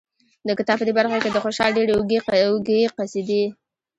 د کتاب په دې برخه کې د خوشحال ډېرې اوږې قصیدې